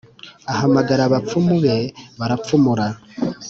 ahamagara abapfumu be barapfumura